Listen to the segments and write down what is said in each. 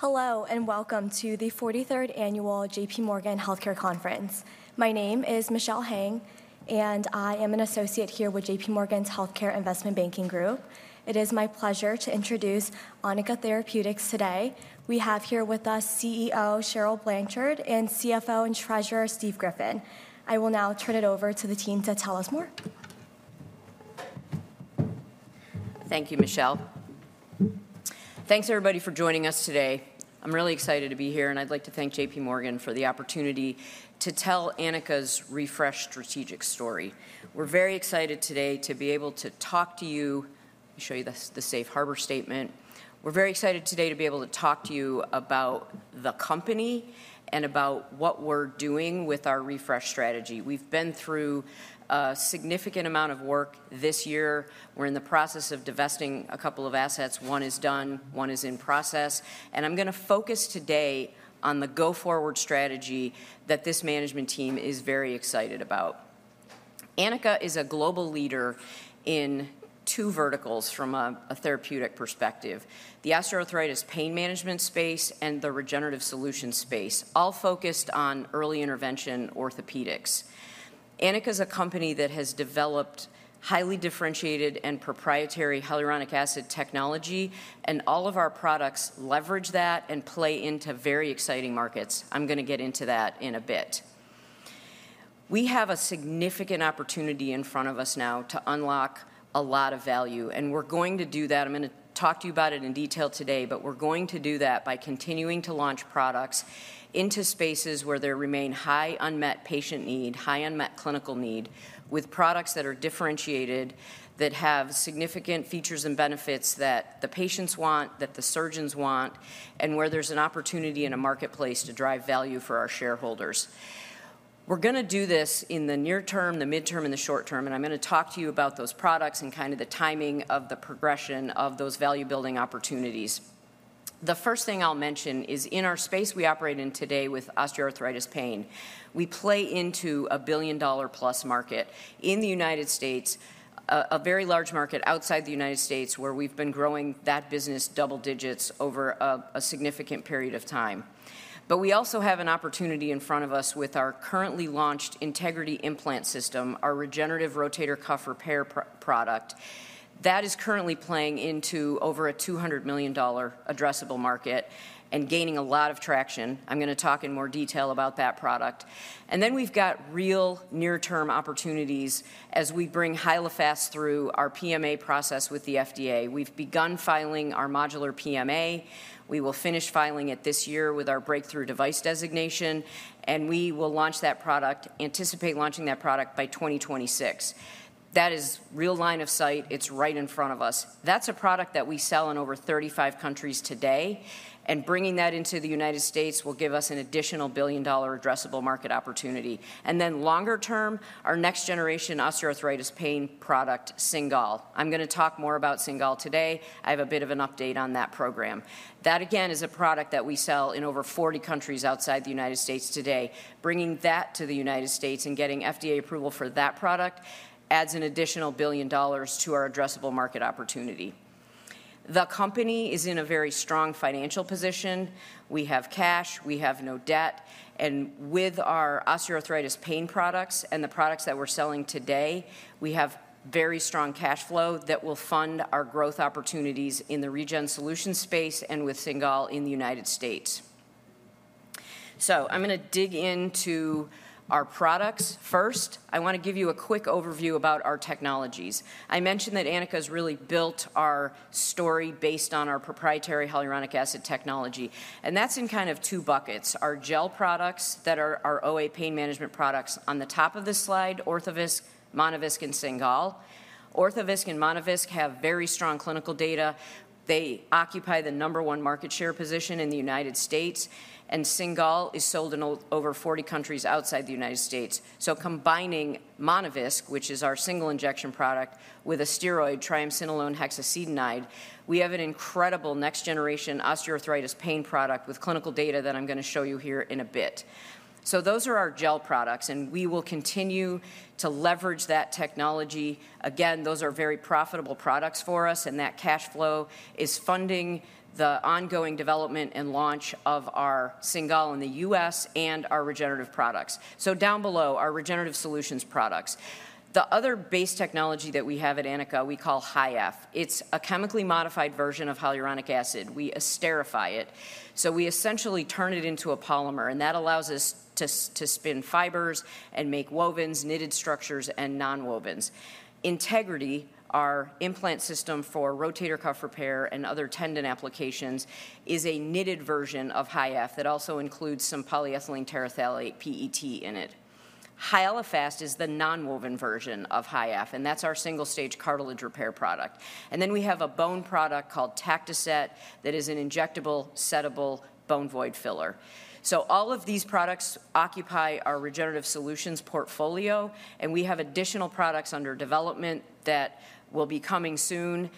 Hello and welcome to the 43rd Annual JPMorgan Healthcare Conference. My name is Michelle Hang, and I am an associate here with JPMorgan's Healthcare Investment Banking Group. It is my pleasure to introduce Anika Therapeutics today. We have here with us CEO Cheryl Blanchard and CFO and Treasurer Steve Griffin. I will now turn it over to the team to tell us more. Thank you, Michelle. Thanks, everybody, for joining us today. I'm really excited to be here, and I'd like to thank J.P. Morgan for the opportunity to tell Anika's refreshed strategic story. We're very excited today to be able to talk to you. Let me show you the Safe Harbor statement. We're very excited today to be able to talk to you about the company and about what we're doing with our refreshed strategy. We've been through a significant amount of work this year. We're in the process of divesting a couple of assets. One is done, one is in process, and I'm going to focus today on the go-forward strategy that this management team is very excited about. Anika is a global leader in two verticals from a therapeutic perspective: the osteoarthritis pain management space and the regenerative solutions space, all focused on early intervention orthopedics. Anika is a company that has developed highly differentiated and proprietary hyaluronic acid technology, and all of our products leverage that and play into very exciting markets. I'm going to get into that in a bit. We have a significant opportunity in front of us now to unlock a lot of value, and we're going to do that. I'm going to talk to you about it in detail today, but we're going to do that by continuing to launch products into spaces where there remain high unmet patient need, high unmet clinical need, with products that are differentiated, that have significant features and benefits that the patients want, that the surgeons want, and where there's an opportunity and a marketplace to drive value for our shareholders. We're going to do this in the near term, the midterm, and the short term, and I'm going to talk to you about those products and kind of the timing of the progression of those value-building opportunities. The first thing I'll mention is, in our space we operate in today with osteoarthritis pain, we play into a $1 billion-plus market in the United States, a very large market outside the United States where we've been growing that business double digits over a significant period of time. But we also have an opportunity in front of us with our currently launched Integrity Implant System, our regenerative rotator cuff repair product that is currently playing into over a $200 million addressable market and gaining a lot of traction. I'm going to talk in more detail about that product. And then we've got real near-term opportunities as we bring Hyalofast through our PMA process with the FDA. We've begun filing our modular PMA. We will finish filing it this year with our breakthrough device designation, and we will launch that product, anticipate launching that product by 2026. That is real line of sight. It's right in front of us. That's a product that we sell in over 35 countries today, and bringing that into the United States will give us an additional billion-dollar addressable market opportunity. And then longer term, our next-generation osteoarthritis pain product, Cingal. I'm going to talk more about Cingal today. I have a bit of an update on that program. That, again, is a product that we sell in over 40 countries outside the United States today. Bringing that to the United States and getting FDA approval for that product adds an additional $1 billion to our addressable market opportunity. The company is in a very strong financial position. We have cash. We have no debt. And with our osteoarthritis pain products and the products that we're selling today, we have very strong cash flow that will fund our growth opportunities in the regen solutions space and with Cingal in the United States. So I'm going to dig into our products. First, I want to give you a quick overview about our technologies. I mentioned that Anika has really built our story based on our proprietary hyaluronic acid technology, and that's in kind of two buckets: our gel products that are our OA pain management products on the top of this slide, Orthovisc, Monovisc, and Cingal. Orthovisc and Monovisc have very strong clinical data. They occupy the number one market share position in the United States, and Cingal is sold in over 40 countries outside the United States. Combining Monovisc, which is our single injection product, with a steroid, triamcinolone hexacetonide, we have an incredible next-generation osteoarthritis pain product with clinical data that I'm going to show you here in a bit. Those are our gel products, and we will continue to leverage that technology. Again, those are very profitable products for us, and that cash flow is funding the ongoing development and launch of our Cingal in the U.S. and our regenerative products. Down below, our regenerative solutions products. The other base technology that we have at Anika we call HYAFF. It's a chemically modified version of hyaluronic acid. We esterify it. We essentially turn it into a polymer, and that allows us to spin fibers and make wovens, knitted structures, and non-wovens. Integrity, our implant system for rotator cuff repair and other tendon applications, is a knitted version of HYAFF that also includes some polyethylene terephthalate (PET) in it. Hyalofast is the non-woven version of HYAFF, and that's our single-stage cartilage repair product. And then we have a bone product called TactoSet that is an injectable settable bone void filler. So all of these products occupy our regenerative solutions portfolio, and we have additional products under development that will be coming soon.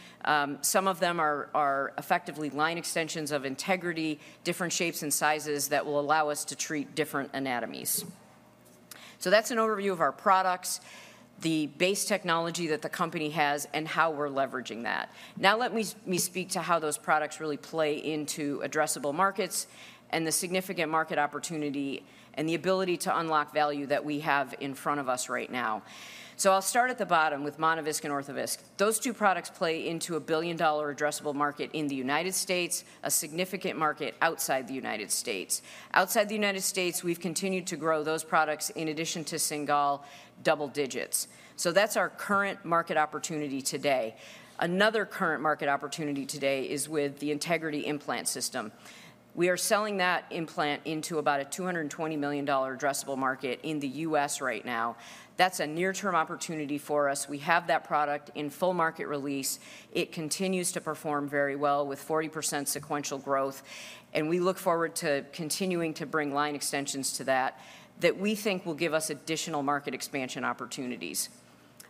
Some of them are effectively line extensions of Integrity, different shapes and sizes that will allow us to treat different anatomies. So that's an overview of our products, the base technology that the company has, and how we're leveraging that. Now let me speak to how those products really play into addressable markets and the significant market opportunity and the ability to unlock value that we have in front of us right now. So I'll start at the bottom with Monovisc and Orthovisc. Those two products play into a $1 billion addressable market in the United States, a significant market outside the United States. Outside the United States, we've continued to grow those products in addition to Cingal double digits. So that's our current market opportunity today. Another current market opportunity today is with the Integrity Implant System. We are selling that implant into about a $220 million addressable market in the U.S. right now. That's a near-term opportunity for us. We have that product in full market release. It continues to perform very well with 40% sequential growth, and we look forward to continuing to bring line extensions to that that we think will give us additional market expansion opportunities.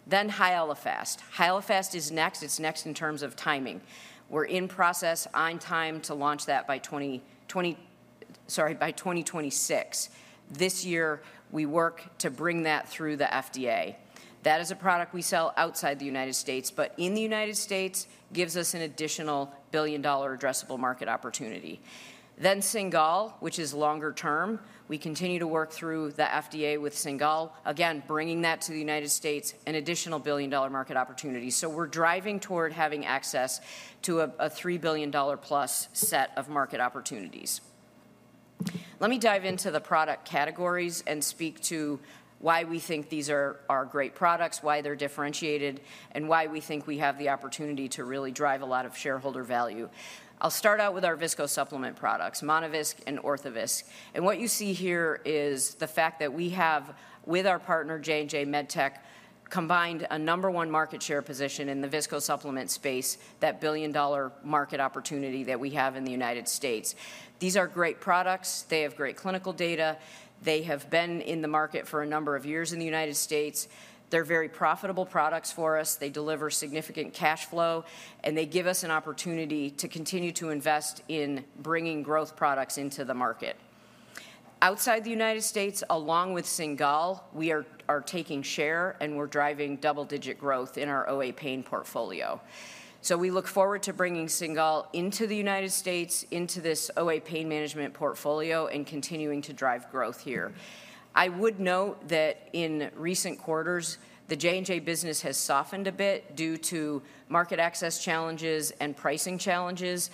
Then Hyalofast. Hyalofast is next. It's next in terms of timing. We're in process, on time to launch that by 2026. This year, we work to bring that through the FDA. That is a product we sell outside the United States, but in the United States gives us an additional billion-dollar addressable market opportunity. Then Cingal, which is longer term. We continue to work through the FDA with Cingal, again, bringing that to the United States, an additional billion-dollar market opportunity. So we're driving toward having access to a $3 billion-plus set of market opportunities. Let me dive into the product categories and speak to why we think these are our great products, why they're differentiated, and why we think we have the opportunity to really drive a lot of shareholder value. I'll start out with our viscosupplement products, Monovisc and Orthovisc, and what you see here is the fact that we have, with our partner J&J MedTech, combined a number one market share position in the viscosupplement space, that billion-dollar market opportunity that we have in the United States. These are great products. They have great clinical data. They have been in the market for a number of years in the United States. They're very profitable products for us. They deliver significant cash flow, and they give us an opportunity to continue to invest in bringing growth products into the market. Outside the United States, along with Cingal, we are taking share, and we're driving double-digit growth in our OA pain portfolio, so we look forward to bringing Cingal into the United States, into this OA pain management portfolio, and continuing to drive growth here. I would note that in recent quarters, the J&J business has softened a bit due to market access challenges and pricing challenges,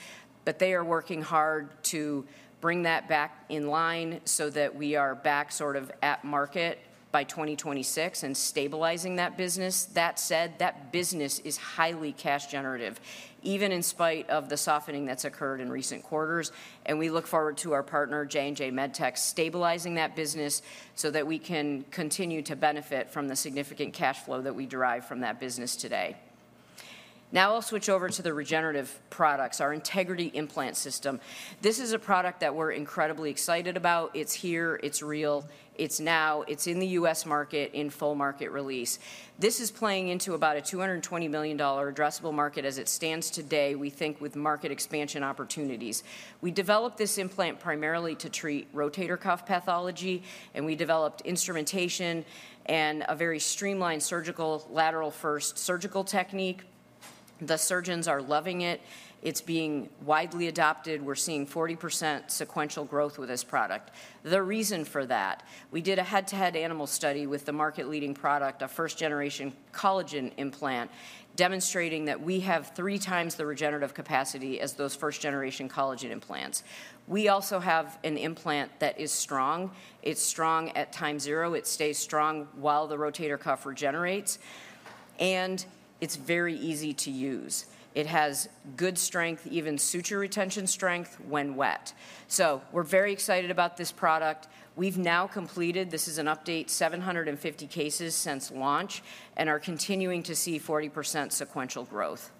but they are working hard to bring that back in line so that we are back sort of at market by 2026 and stabilizing that business. That said, that business is highly cash generative, even in spite of the softening that's occurred in recent quarters, and we look forward to our partner, J&J MedTech, stabilizing that business so that we can continue to benefit from the significant cash flow that we derive from that business today. Now I'll switch over to the regenerative products, our Integrity Implant System. This is a product that we're incredibly excited about. It's here. It's real. It's now. It's in the U.S. market in full market release. This is playing into about a $220 million addressable market as it stands today, we think, with market expansion opportunities. We developed this implant primarily to treat rotator cuff pathology, and we developed instrumentation and a very streamlined surgical lateral-first surgical technique. The surgeons are loving it. It's being widely adopted. We're seeing 40% sequential growth with this product. The reason for that, we did a head-to-head animal study with the market-leading product, a first-generation collagen implant, demonstrating that we have three times the regenerative capacity as those first-generation collagen implants. We also have an implant that is strong. It's strong at time zero. It stays strong while the rotator cuff regenerates, and it's very easy to use. It has good strength, even suture retention strength when wet, so we're very excited about this product. We've now completed, this is an update, 750 cases since launch and are continuing to see 40% sequential growth,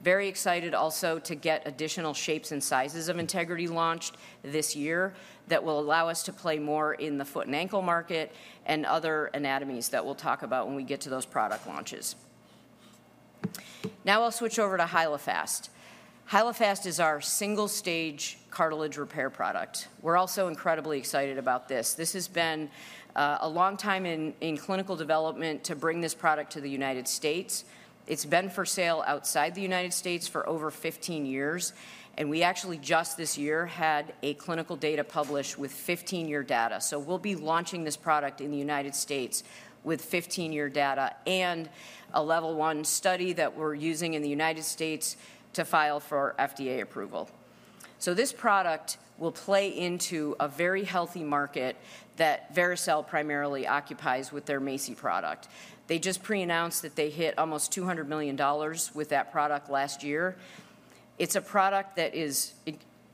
very excited also to get additional shapes and sizes of Integrity launched this year that will allow us to play more in the foot and ankle market and other anatomies that we'll talk about when we get to those product launches. Now I'll switch over to Hyalofast. Hyalofast is our single-stage cartilage repair product. We're also incredibly excited about this. This has been a long time in clinical development to bring this product to the United States. It's been for sale outside the United States for over 15 years, and we actually just this year had clinical data published with 15-year data. So we'll be launching this product in the United States with 15-year data and a level one study that we're using in the United States to file for FDA approval. So this product will play into a very healthy market that Vericel primarily occupies with their MACI product. They just pre-announced that they hit almost $200 million with that product last year. It's a product that is,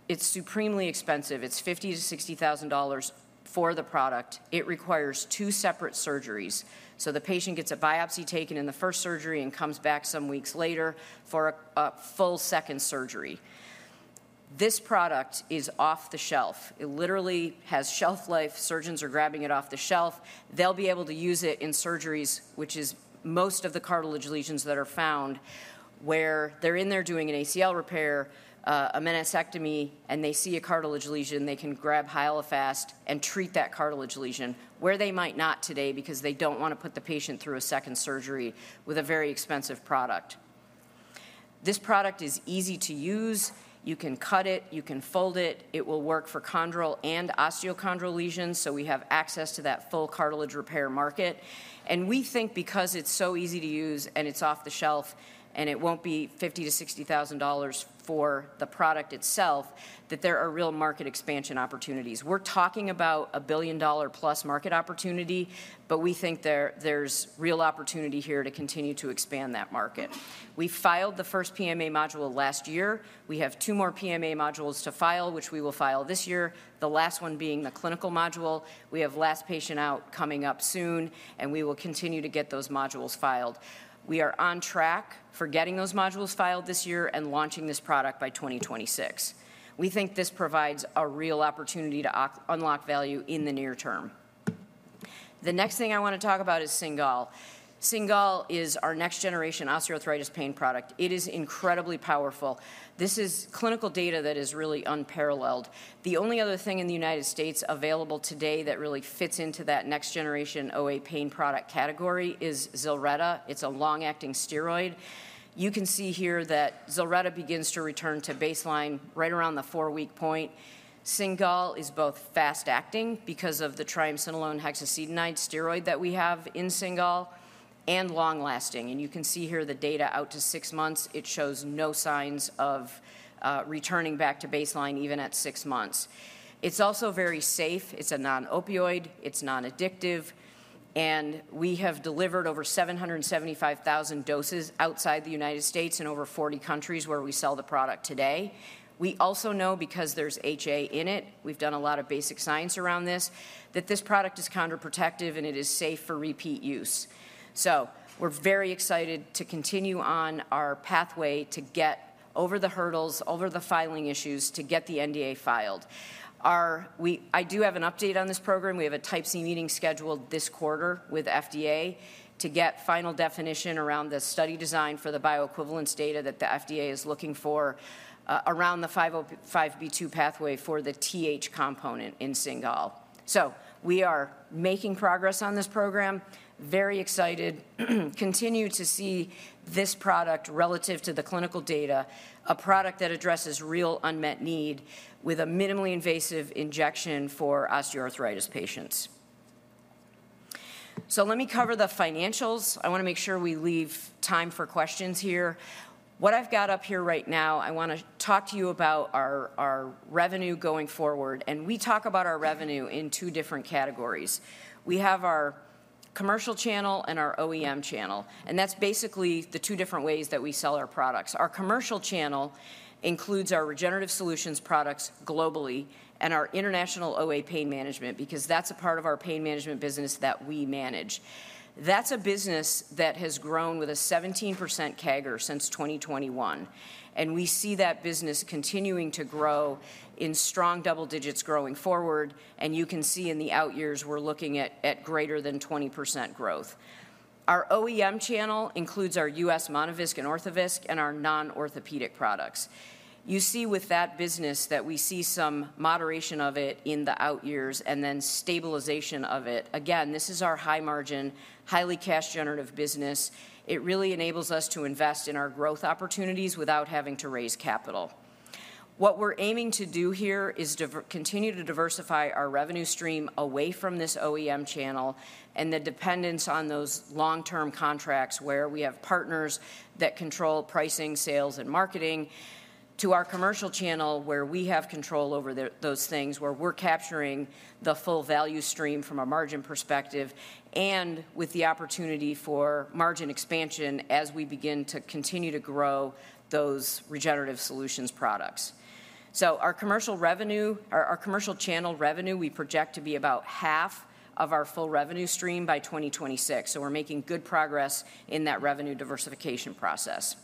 it's supremely expensive. It's $50,000-$60,000 for the product. It requires two separate surgeries. So the patient gets a biopsy taken in the first surgery and comes back some weeks later for a full second surgery. This product is off the shelf. It literally has shelf life. Surgeons are grabbing it off the shelf. They'll be able to use it in surgeries, which is most of the cartilage lesions that are found where they're in there doing an ACL repair, a meniscectomy, and they see a cartilage lesion, they can grab Hyalofast and treat that cartilage lesion where they might not today because they don't want to put the patient through a second surgery with a very expensive product. This product is easy to use. You can cut it. You can fold it. It will work for chondral and osteochondral lesions. So we have access to that full cartilage repair market. And we think because it's so easy to use and it's off the shelf and it won't be $50,000-$60,000 for the product itself, that there are real market expansion opportunities. We're talking about a billion-dollar-plus market opportunity, but we think there's real opportunity here to continue to expand that market. We filed the first PMA module last year. We have two more PMA modules to file, which we will file this year, the last one being the clinical module. We have last patient out coming up soon, and we will continue to get those modules filed. We are on track for getting those modules filed this year and launching this product by 2026. We think this provides a real opportunity to unlock value in the near term. The next thing I want to talk about is Cingal. Cingal is our next-generation osteoarthritis pain product. It is incredibly powerful. This is clinical data that is really unparalleled. The only other thing in the United States available today that really fits into that next-generation OA pain product category is Zilretta. It's a long-acting steroid. You can see here that Zilretta begins to return to baseline right around the four-week point. Cingal is both fast-acting because of the triamcinolone hexacetonide steroid that we have in Cingal and long-lasting. And you can see here the data out to six months. It shows no signs of returning back to baseline even at six months. It's also very safe. It's a non-opioid. It's non-addictive. And we have delivered over 775,000 doses outside the United States in over 40 countries where we sell the product today. We also know because there's HA in it, we've done a lot of basic science around this, that this product is chondroprotective and it is safe for repeat use. So we're very excited to continue on our pathway to get over the hurdles, over the filing issues, to get the NDA filed. I do have an update on this program. We have a Type C meeting scheduled this quarter with FDA to get final definition around the study design for the bioequivalence data that the FDA is looking for around the 505(b)(2) pathway for the TH component in Cingal, so we are making progress on this program, very excited, continue to see this product relative to the clinical data, a product that addresses real unmet need with a minimally invasive injection for osteoarthritis patients, so let me cover the financials. I want to make sure we leave time for questions here. What I've got up here right now, I want to talk to you about our revenue going forward, and we talk about our revenue in two different categories. We have our commercial channel and our OEM channel, and that's basically the two different ways that we sell our products. Our commercial channel includes our regenerative solutions products globally and our international OA pain management because that's a part of our pain management business that we manage. That's a business that has grown with a 17% CAGR since 2021. We see that business continuing to grow in strong double digits going forward. You can see in the out years, we're looking at greater than 20% growth. Our OEM channel includes our U.S. Monovisc and Orthovisc and our non-orthopedic products. You see with that business that we see some moderation of it in the out years and then stabilization of it. Again, this is our high-margin, highly cash generative business. It really enables us to invest in our growth opportunities without having to raise capital. What we're aiming to do here is continue to diversify our revenue stream away from this OEM channel and the dependence on those long-term contracts where we have partners that control pricing, sales, and marketing to our commercial channel where we have control over those things, where we're capturing the full value stream from a margin perspective and with the opportunity for margin expansion as we begin to continue to grow those regenerative solutions products, so our commercial channel revenue we project to be about half of our full revenue stream by 2026, so we're making good progress in that revenue diversification process.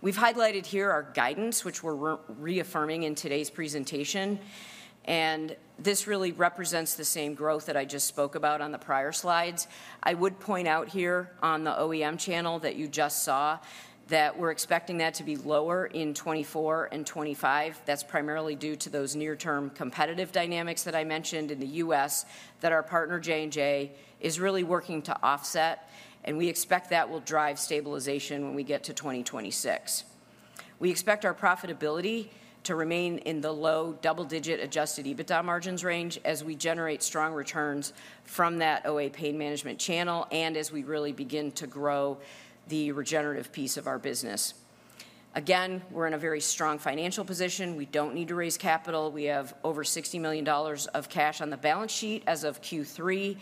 We've highlighted here our guidance, which we're reaffirming in today's presentation, and this really represents the same growth that I just spoke about on the prior slides. I would point out here on the OEM channel that you just saw that we're expecting that to be lower in 2024 and 2025. That's primarily due to those near-term competitive dynamics that I mentioned in the U.S. that our partner J&J is really working to offset, and we expect that will drive stabilization when we get to 2026. We expect our profitability to remain in the low double-digit adjusted EBITDA margins range as we generate strong returns from that OA pain management channel and as we really begin to grow the regenerative piece of our business. Again, we're in a very strong financial position. We don't need to raise capital. We have over $60 million of cash on the balance sheet as of Q3.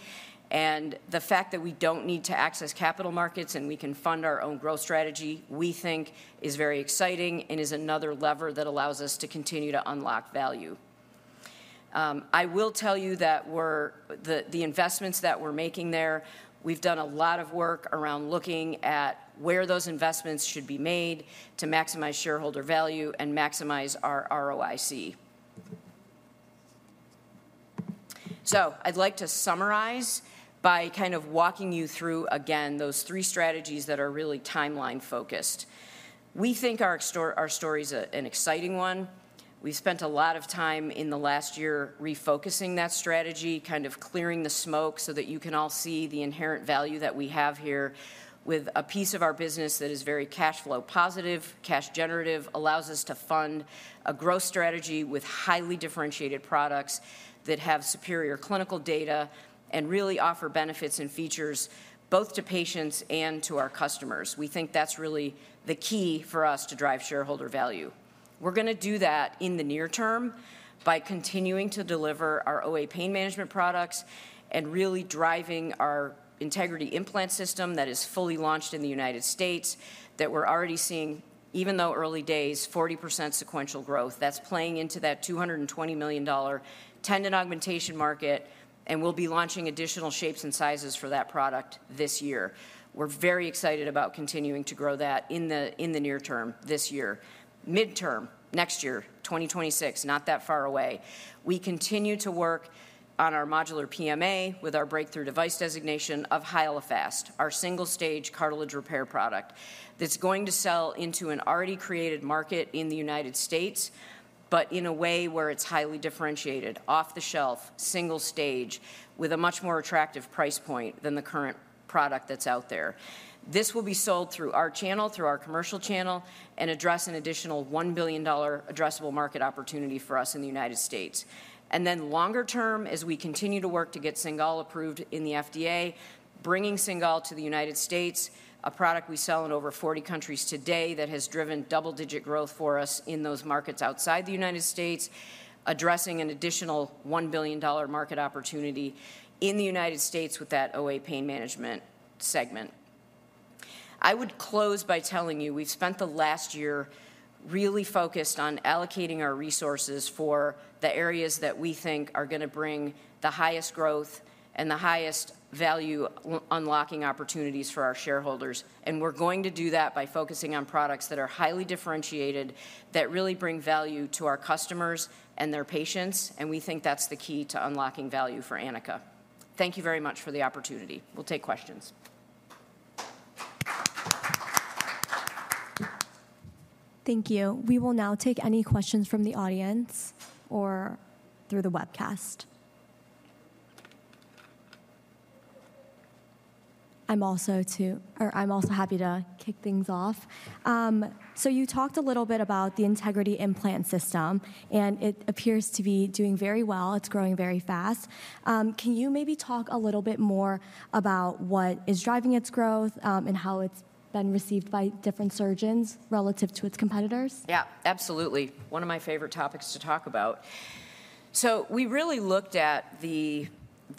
And the fact that we don't need to access capital markets and we can fund our own growth strategy, we think is very exciting and is another lever that allows us to continue to unlock value. I will tell you that the investments that we're making there, we've done a lot of work around looking at where those investments should be made to maximize shareholder value and maximize our ROIC. So I'd like to summarize by kind of walking you through, again, those three strategies that are really timeline-focused. We think our story is an exciting one. We've spent a lot of time in the last year refocusing that strategy, kind of clearing the smoke so that you can all see the inherent value that we have here with a piece of our business that is very cash flow positive, cash generative, allows us to fund a growth strategy with highly differentiated products that have superior clinical data and really offer benefits and features both to patients and to our customers. We think that's really the key for us to drive shareholder value. We're going to do that in the near term by continuing to deliver our OA pain management products and really driving our Integrity Implant System that is fully launched in the United States that we're already seeing, even though early days, 40% sequential growth. That's playing into that $220 million tendon augmentation market. We'll be launching additional shapes and sizes for that product this year. We're very excited about continuing to grow that in the near term this year. Midterm, next year, 2026, not that far away. We continue to work on our modular PMA with our breakthrough device designation of Hyalofast, our single-stage cartilage repair product that's going to sell into an already created market in the United States, but in a way where it's highly differentiated, off the shelf, single-stage, with a much more attractive price point than the current product that's out there. This will be sold through our channel, through our commercial channel, and address an additional $1 billion addressable market opportunity for us in the United States. And then longer term, as we continue to work to get Cingal approved in the FDA, bringing Cingal to the United States, a product we sell in over 40 countries today that has driven double-digit growth for us in those markets outside the United States, addressing an additional $1 billion market opportunity in the United States with that OA pain management segment. I would close by telling you we've spent the last year really focused on allocating our resources for the areas that we think are going to bring the highest growth and the highest value unlocking opportunities for our shareholders. And we're going to do that by focusing on products that are highly differentiated, that really bring value to our customers and their patients. And we think that's the key to unlocking value for Anika. Thank you very much for the opportunity. We'll take questions. Thank you. We will now take any questions from the audience or through the webcast. I'm also happy to kick things off. So you talked a little bit about the Integrity Implant System, and it appears to be doing very well. It's growing very fast. Can you maybe talk a little bit more about what is driving its growth and how it's been received by different surgeons relative to its competitors? Yeah, absolutely. One of my favorite topics to talk about. So we really looked at the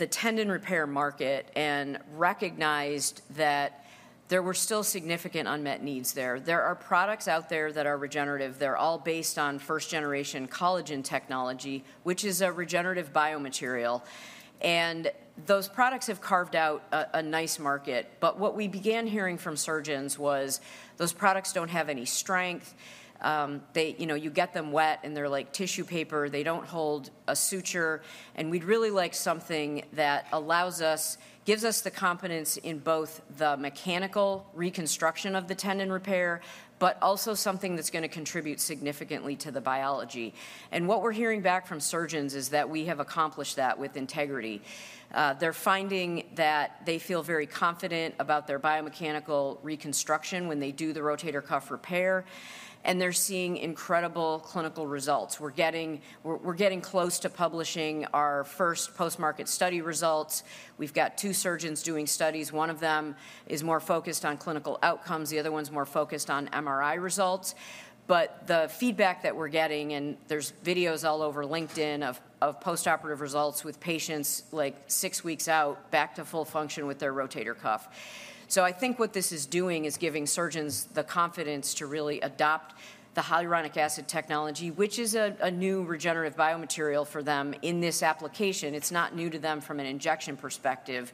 tendon repair market and recognized that there were still significant unmet needs there. There are products out there that are regenerative. They're all based on first-generation collagen technology, which is a regenerative biomaterial. And those products have carved out a nice market. But what we began hearing from surgeons was those products don't have any strength. You get them wet and they're like tissue paper. They don't hold a suture. And we'd really like something that gives us the confidence in both the mechanical reconstruction of the tendon repair, but also something that's going to contribute significantly to the biology. And what we're hearing back from surgeons is that we have accomplished that with Integrity. They're finding that they feel very confident about their biomechanical reconstruction when they do the rotator cuff repair. And they're seeing incredible clinical results. We're getting close to publishing our first post-market study results. We've got two surgeons doing studies. One of them is more focused on clinical outcomes. The other one's more focused on MRI results. But the feedback that we're getting, and there's videos all over LinkedIn of post-operative results with patients like six weeks out, back to full function with their rotator cuff. So I think what this is doing is giving surgeons the confidence to really adopt the hyaluronic acid technology, which is a new regenerative biomaterial for them in this application. It's not new to them from an injection perspective.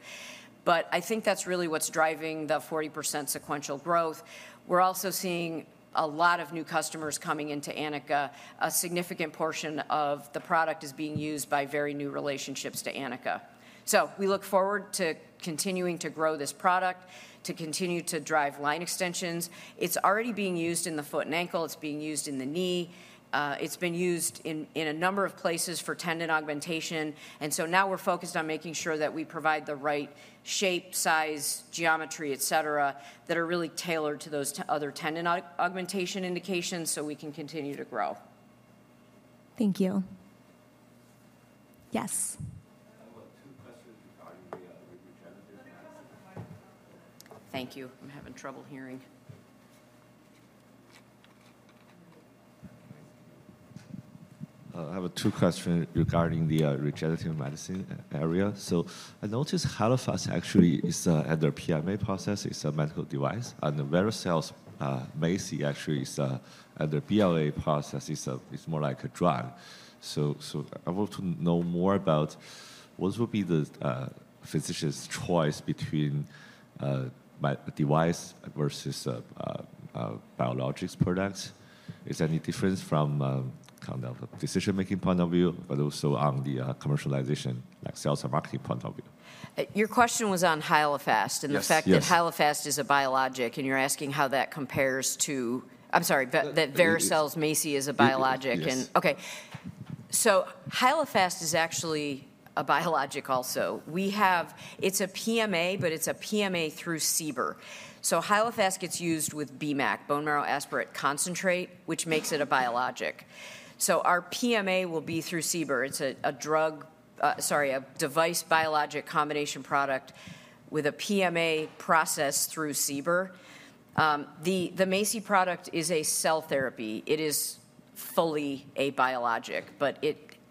But I think that's really what's driving the 40% sequential growth. We're also seeing a lot of new customers coming into Anika. A significant portion of the product is being used by very new relationships to Anika. So we look forward to continuing to grow this product, to continue to drive line extensions. It's already being used in the foot and ankle. It's being used in the knee. It's been used in a number of places for tendon augmentation. And so now we're focused on making sure that we provide the right shape, size, geometry, etc., that are really tailored to those other tendon augmentation indications so we can continue to grow. Thank you. Yes. I have two questions regarding the regenerative medicine area. So I noticed Hyalofast actually is at their PMA process. It's a medical device. And the Vericel MACI actually is at their BLA process. It's more like a drug. So I want to know more about what will be the physician's choice between my device versus a biologics product. Is there any difference from kind of a decision-making point of view, but also on the commercialization, like sales and marketing point of view? Your question was on Hyalofast and the fact that Hyalofast is a biologic. And you're asking how that compares to, I'm sorry, that Vericel's MACI is a biologic. And okay. So Hyalofast is actually a biologic also. It's a PMA, but it's a PMA through CBER. So Hyalofast gets used with BMAC, bone marrow aspirate concentrate, which makes it a biologic. So our PMA will be through CBER. It's a drug, sorry, a device biologic combination product with a PMA process through CBER. The MACI product is a cell therapy. It is fully a biologic, but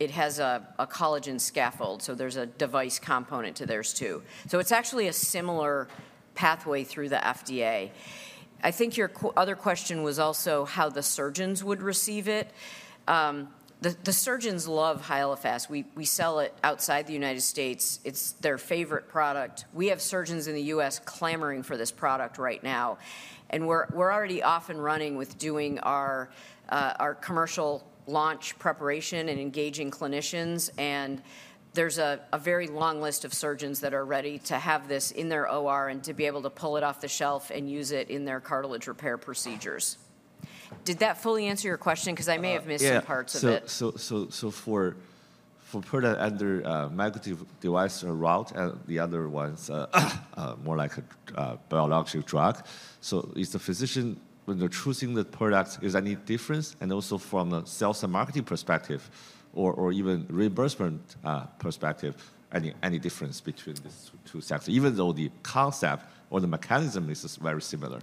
it has a collagen scaffold. So there's a device component to theirs too. So it's actually a similar pathway through the FDA. I think your other question was also how the surgeons would receive it. The surgeons love Hyalofast. We sell it outside the United States. It's their favorite product. We have surgeons in the U.S. clamoring for this product right now. We're already off and running with doing our commercial launch preparation and engaging clinicians. There's a very long list of surgeons that are ready to have this in their OR and to be able to pull it off the shelf and use it in their cartilage repair procedures. Did that fully answer your question? Because I may have missed some parts of it. For products under medical device route and the other ones more like a biologic drug, is the physician, when they're choosing the product, is there any difference? Also from a sales and marketing perspective or even reimbursement perspective, any difference between these two sectors, even though the concept or the mechanism is very similar?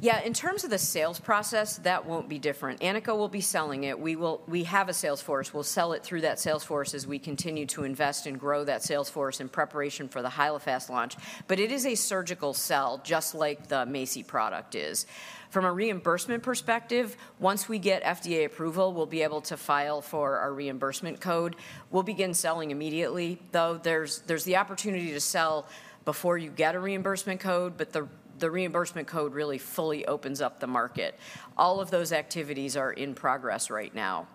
Yeah, in terms of the sales process, that won't be different. Anika will be selling it. We have a sales force. We'll sell it through that sales force as we continue to invest and grow that sales force in preparation for the Hyalofast launch, but it is a surgical cell just like the MACI product is. From a reimbursement perspective, once we get FDA approval, we'll be able to file for our reimbursement code. We'll begin selling immediately, though there's the opportunity to sell before you get a reimbursement code, but the reimbursement code really fully opens up the market. All of those activities are in progress right now.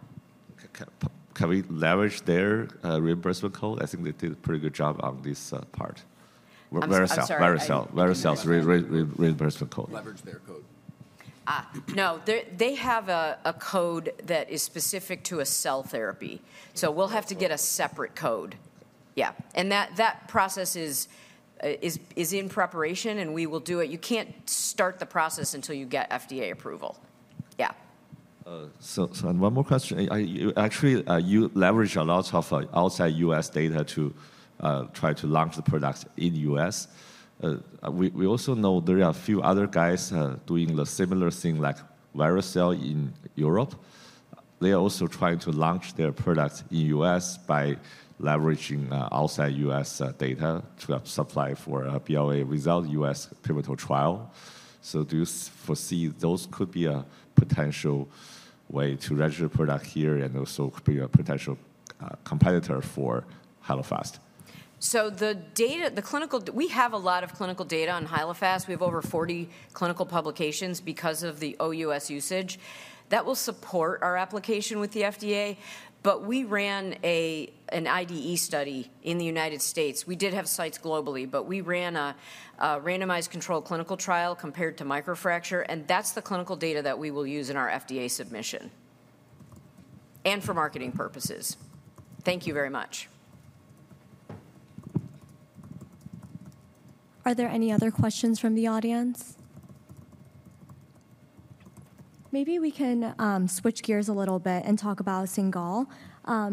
Can we leverage their reimbursement code? I think they did a pretty good job on this part. Vericel's reimbursement code. Leverage their code. No, they have a code that is specific to a cell therapy. So we'll have to get a separate code. Yeah, and that process is in preparation, and we will do it. You can't start the process until you get FDA approval. Yeah. So one more question. Actually, you leverage a lot of outside U.S. data to try to launch the products in the U.S. We also know there are a few other guys doing a similar thing like Vericel in Europe. They are also trying to launch their products in the U.S. by leveraging outside U.S. data to support a BLA without U.S. pivotal trial. So do you foresee those could be a potential way to register product here and also be a potential competitor for Hyalofast? So the clinical, we have a lot of clinical data on Hyalofast. We have over 40 clinical publications because of the OUS usage. That will support our application with the FDA. But we ran an IDE study in the United States. We did have sites globally, but we ran a randomized controlled clinical trial compared to microfracture, and that's the clinical data that we will use in our FDA submission and for marketing purposes. Thank you very much. Are there any other questions from the audience? Maybe we can switch gears a little bit and talk about Cingal.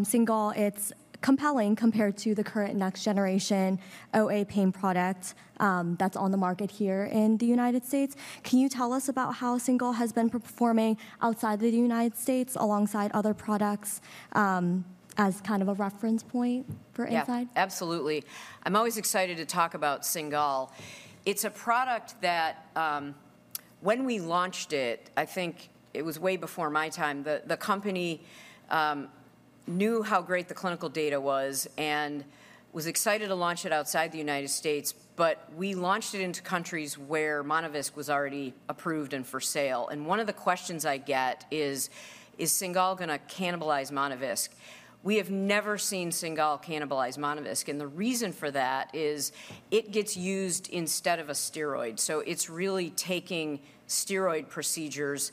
Cingal, it's compelling compared to the current next-generation OA pain product that's on the market here in the United States. Can you tell us about how Cingal has been performing outside of the United States alongside other products as kind of a reference point for insight? Yeah, absolutely. I'm always excited to talk about Cingal. It's a product that when we launched it, I think it was way before my time, the company knew how great the clinical data was and was excited to launch it outside the United States. But we launched it into countries where Monovisc was already approved and for sale. And one of the questions I get is, is Cingal going to cannibalize Monovisc? We have never seen Cingal cannibalize Monovisc. And the reason for that is it gets used instead of a steroid. So it's really taking steroid procedures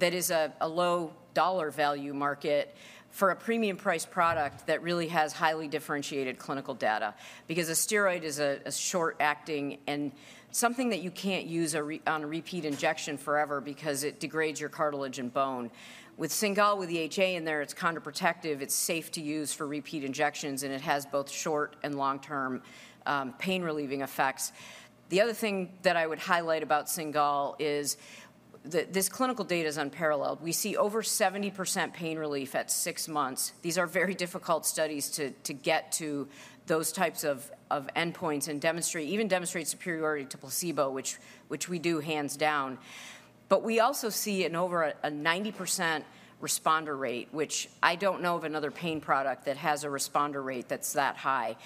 that is a low dollar value market for a premium price product that really has highly differentiated clinical data. Because a steroid is a short-acting and something that you can't use on repeat injection forever because it degrades your cartilage and bone. With Cingal, with the HA in there, it's chondroprotective. It's safe to use for repeat injections. And it has both short and long-term pain-relieving effects. The other thing that I would highlight about Cingal is this clinical data is unparalleled. We see over 70% pain relief at six months. These are very difficult studies to get to those types of endpoints and even demonstrate superiority to placebo, which we do hands down. But we also see an over a 90% responder rate, which I don't know of another pain product that has a responder rate that's that high.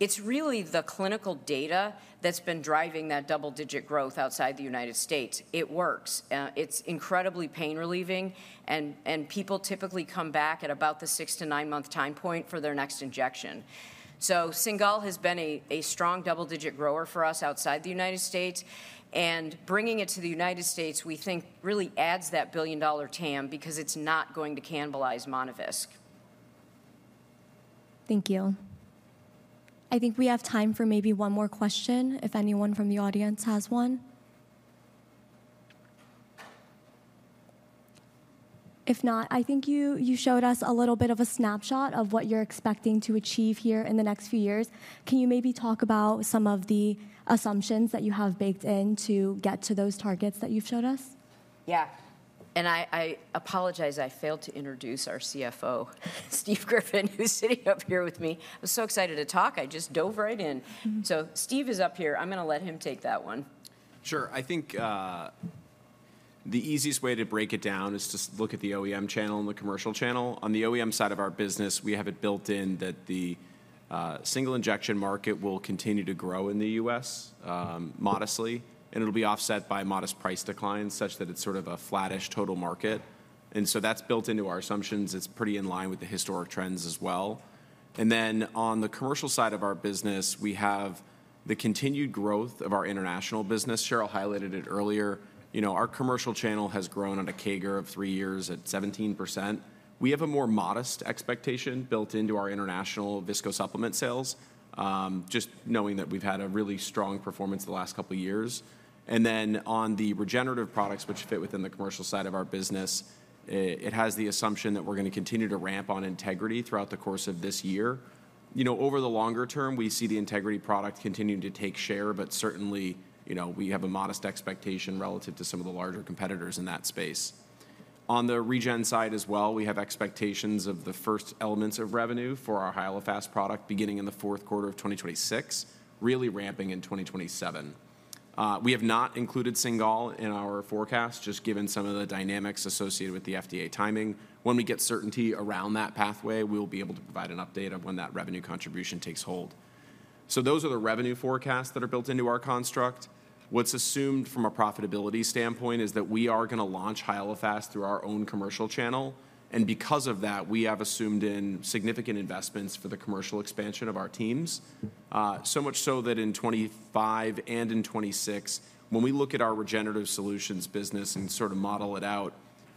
It's really the clinical data that's been driving that double-digit growth outside the United States. It works. It's incredibly pain-relieving. And people typically come back at about the six- to nine-month time point for their next injection. So Cingal has been a strong double-digit grower for us outside the United States. And bringing it to the United States, we think really adds that billion-dollar TAM because it's not going to cannibalize Monovisc. Thank you. I think we have time for maybe one more question if anyone from the audience has one. If not, I think you showed us a little bit of a snapshot of what you're expecting to achieve here in the next few years. Can you maybe talk about some of the assumptions that you have baked in to get to those targets that you've showed us? Yeah. And I apologize. I failed to introduce our CFO, Steve Griffin, who's sitting up here with me. I'm so excited to talk. I just dove right in. So Steve is up here. I'm going to let him take that one. Sure. I think the easiest way to break it down is to look at the OEM channel and the commercial channel. On the OEM side of our business, we have it built in that the single injection market will continue to grow in the U.S. modestly. It'll be offset by modest price declines such that it's sort of a flattish total market. So that's built into our assumptions. It's pretty in line with the historic trends as well. Then on the commercial side of our business, we have the continued growth of our international business. Cheryl highlighted it earlier. Our commercial channel has grown on a CAGR of three years at 17%. We have a more modest expectation built into our international viscosupplement sales, just knowing that we've had a really strong performance the last couple of years. Then on the regenerative products, which fit within the commercial side of our business, it has the assumption that we're going to continue to ramp on Integrity throughout the course of this year. Over the longer term, we see the Integrity product continuing to take share, but certainly we have a modest expectation relative to some of the larger competitors in that space. On the regen side as well, we have expectations of the first elements of revenue for our Hyalofast product beginning in the fourth quarter of 2026, really ramping in 2027. We have not included Cingal in our forecast, just given some of the dynamics associated with the FDA timing. When we get certainty around that pathway, we'll be able to provide an update on when that revenue contribution takes hold. So those are the revenue forecasts that are built into our construct. What's assumed from a profitability standpoint is that we are going to launch Hyalofast through our own commercial channel. Because of that, we have made significant investments for the commercial expansion of our teams, so much so that in 2025 and in 2026, when we look at our regenerative solutions business and sort of model it out,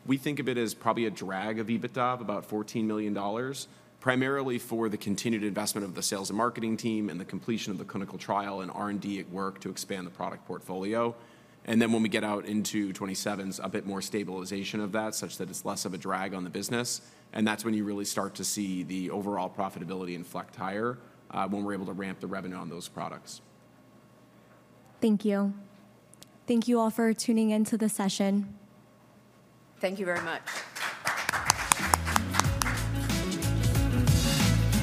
we think of it as probably a drag on EBITDA, about $14 million, primarily for the continued investments in the sales and marketing team and the completion of the clinical trial and R&D work to expand the product portfolio. Then when we get out into 2027, a bit more stabilization of that such that it's less of a drag on the business. That's when you really start to see the overall profitability inflect higher when we're able to ramp the revenue on those products. Thank you. Thank you all for tuning into the session. Thank you very much.